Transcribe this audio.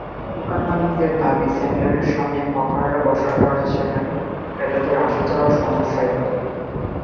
দোকানমালিকদের দাবি, সেন্টারের সামনে হকাররা বসার কারণে সেখানে ক্রেতাদের আসা-যাওয়ায় সমস্যা হয়।